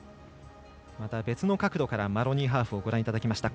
別の角度からマロニーハーフをご覧いただきました。